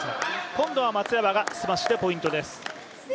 今度は松山がスマッシュでポイントです。